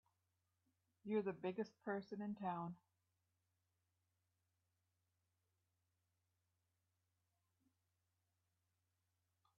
You're the biggest person in town!